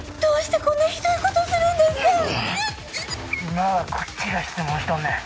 今はこっちが質問しとんねん。